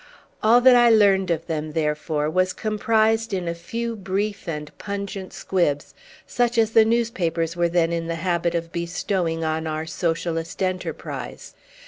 All that I learned of them, therefore, was comprised in a few brief and pungent squibs, such as the newspapers were then in the habit of bestowing on our socialist enterprise.